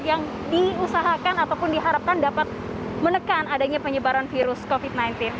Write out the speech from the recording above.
yang diusahakan ataupun diharapkan dapat menekan adanya penyebaran virus covid sembilan belas